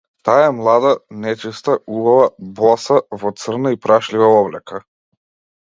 Таа е млада, нечиста убава, боса, во црна и прашлива облека.